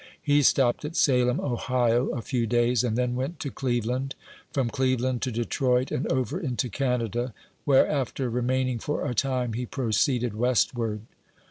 He stopped at Salem, Ohio, a few days, and then went to Cleveland ; from, Cleveland to Detroit; and over into Canada, where, after re maining for a time, he proceeded westward.